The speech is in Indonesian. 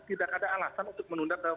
tidak ada alasan untuk menunda